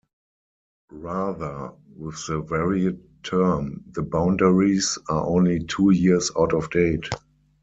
Rather, with the varied term, the boundaries are only two years out of date.